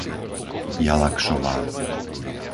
Jalakšová